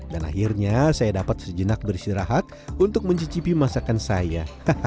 dan akhirnya saya dapat sejenak bersirahat untuk mencicipi masakan saya